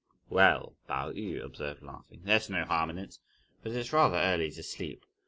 "Well," Pao yü observed laughing, "there's no harm in it, but its rather early to sleep.